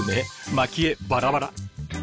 まき餌バラバラ。